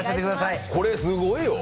これ、すごいよ。